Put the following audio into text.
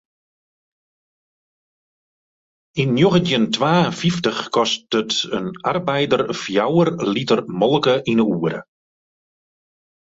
Yn njoggentjin twa en fyftich koste in arbeider fjouwer liter molke yn 'e oere.